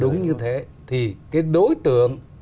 đúng như thế thì cái đối tượng